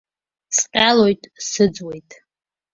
Сҟьалоит, сыӡуеит.